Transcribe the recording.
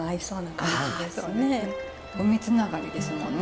海つながりですもんね。